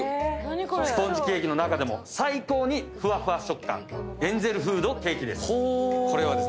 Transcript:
スポンジケーキの中でも最高にふわふわ食感エンゼルフードケーキです。